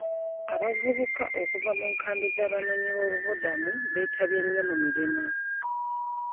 Abavubuka okuva mu nkambi z'abanoonyi b'obubuddamu beetabye nnyo mu mirimu.